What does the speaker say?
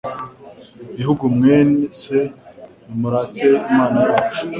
Bihugu mwese nimurate Imana yacu